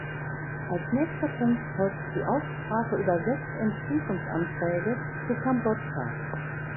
Als nächster Punkt folgt die Aussprache über sechs Entschließungsanträge zu Kambodscha.